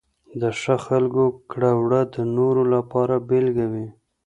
د ښه خلکو کړه وړه د نورو لپاره بېلګه وي.